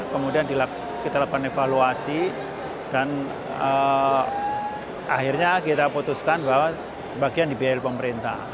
kemudian kita lakukan evaluasi dan akhirnya kita putuskan bahwa sebagian dibiayai pemerintah